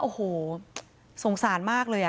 โอ้โหสงสารมากเลย